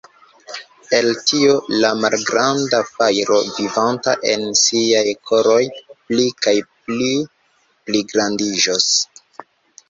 El tio, la malgranda fajro vivanta en siaj koroj pli kaj pli pligrandiĝos.